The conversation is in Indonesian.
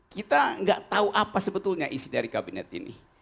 kita nggak tahu apa sebetulnya isi dari kabinet ini